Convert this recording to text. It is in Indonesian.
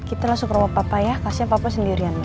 kita langsung ke rumah papa ya kasihan papa sendirian